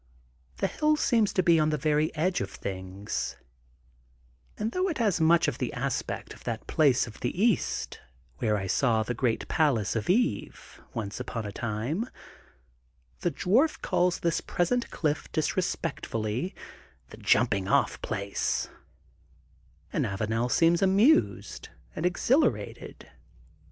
The hill seems to be on the very edge of things, and thbpgh it has much of the aspect 262 THE GOLDEN BOOK OF SPRINGFIELD of that place to the east where I saw the Great Palace of Eve, once upon a time, the Dwarf calls this present cliflP disrespectfully: The Jumping off Place/' And Avanel seems amused and exhilarated.